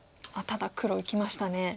ただ黒いきましたね。